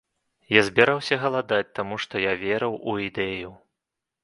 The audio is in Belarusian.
Я збіраўся галадаць, таму што я верыў у ідэю.